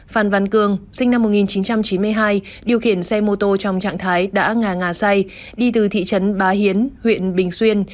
phan văn cường sinh năm một nghìn chín trăm chín mươi hai điều khiển xe mô tô trong trạng thái đã ngà ngà say đi từ thị trấn bá hiến huyện bình xuyên